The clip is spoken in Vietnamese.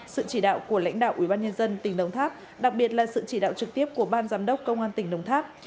sự chỉ đạo của lãnh đạo ubnd tỉnh đồng tháp đặc biệt là sự chỉ đạo trực tiếp của ban giám đốc công an tỉnh đồng tháp